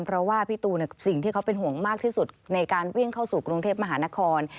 เพราะว่าพี่ตูนสิ่งที่เขาเป็นห่วงมากที่สุดในการวิ่งเข้าสู่กรุงเทพมหานคร